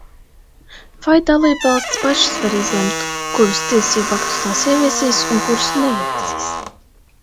Vai dalībvalstis pašas var izlemt, kurus tiesību aktus tās ieviesīs un, kurus neieviesīs?